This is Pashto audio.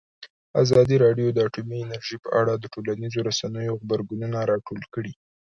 ازادي راډیو د اټومي انرژي په اړه د ټولنیزو رسنیو غبرګونونه راټول کړي.